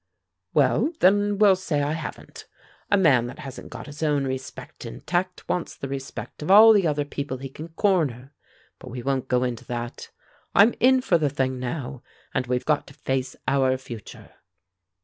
"Well, then we'll say I haven't. A man that hasn't got his own respect intact wants the respect of all the other people he can corner. But we won't go into that. I'm in for the thing now, and we've got to face our future.